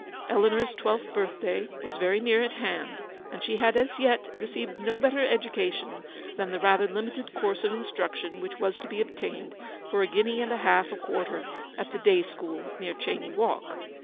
Eleanor's twelfth birthday was very near at hand, and she had as yet received no better education than the rather limited course of instruction which was to be obtained for a guinea and a half a quarter at the day school near Cheyne Walk.